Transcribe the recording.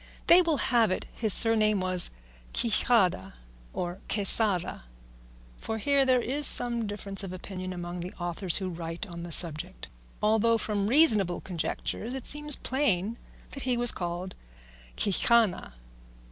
They will have it his surname was Quixada or Quesada (for here there is some difference of opinion among the authors who write on the subject), although from reasonable conjectures it seems plain that he was called Quexana.